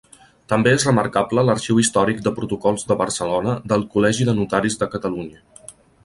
També és remarcable l'Arxiu Històric de Protocols de Barcelona del Col·legi de Notaris de Catalunya.